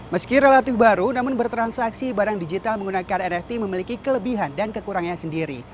meski relatif baru namun bertransaksi barang digital menggunakan nft memiliki kelebihan dan kekurangannya sendiri